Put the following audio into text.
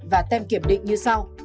và đem kiểm định như sau